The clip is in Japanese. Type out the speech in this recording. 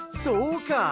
そうか！